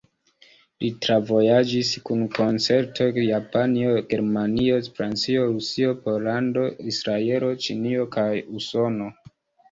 Li travojaĝis kun koncertoj Japanio, Germanio, Francio, Rusio, Pollando, Israelo, Ĉinio kaj Usono.